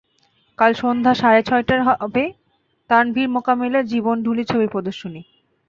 কাল সন্ধ্যা সাড়ে ছয়টায় হবে তানভীর মোকাম্মেলের জীবন ঢুলি ছবির প্রদর্শনী।